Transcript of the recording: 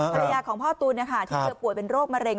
ภรรยาของพ่อตุ๋นที่เธอป่วยเป็นโรคมะเร็ง